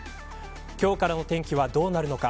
今日からの天気はどうなるのか。